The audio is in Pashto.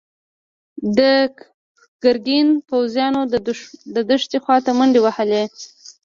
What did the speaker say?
د ګرګين پوځيانو د دښتې خواته منډې وهلي.